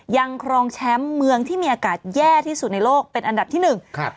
ครองแชมป์เมืองที่มีอากาศแย่ที่สุดในโลกเป็นอันดับที่หนึ่งครับ